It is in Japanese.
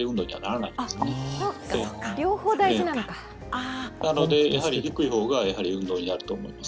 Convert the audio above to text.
なので低い方が運動になると思います。